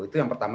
itu yang pertama